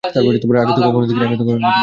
আগে তো কখনও দেখিনি।